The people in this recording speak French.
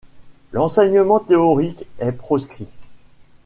L’enseignement théorique est proscrit.